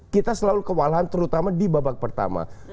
kita selalu kewalahan terutama di babak pertama